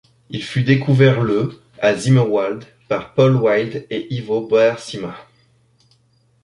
Il fut découvert le à Zimmerwald par Paul Wild et Ivo Bauersima.